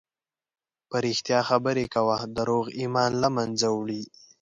په رښتیا خبرې کوه، دروغ ایمان له منځه وړي.